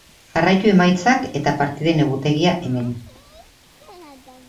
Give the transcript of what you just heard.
Jarraitu emaitzak eta partiden egutegia hemen.